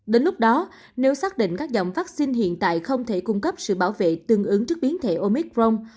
đến lúc đó nếu xác định các dòng vaccine hiện tại không thể cung cấp sự bảo vệ tương ứng trước biến thể omicron